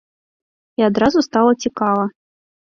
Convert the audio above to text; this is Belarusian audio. І адразу стала цікава.